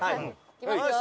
いきますよ。